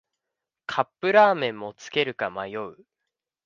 カップラーメンもつけるか迷う